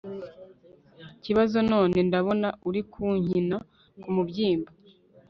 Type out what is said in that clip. kibazo none ndabona uri kunkina kumubyimba